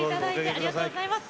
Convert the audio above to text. ありがとうございます。